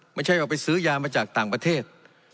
ไม่ใช่ว่าไปซื้อยามาจากต่างประเทศ